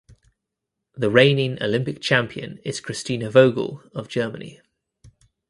The reigning Olympic champion is Kristina Vogel of Germany.